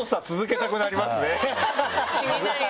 気になるな。